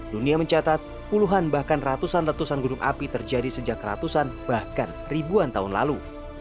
dunia mencatat puluhan bahkan ratusan letusan gunung api terjadi sejak ratusan bahkan ribuan tahun lalu